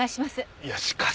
いやしかし。